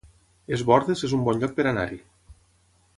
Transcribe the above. Es Bòrdes es un bon lloc per anar-hi